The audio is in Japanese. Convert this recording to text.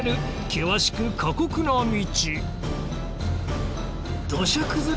険しく過酷な道。